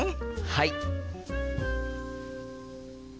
はい！